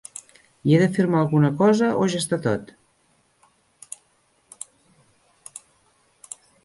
I he de firmar alguna cosa o ja està tot?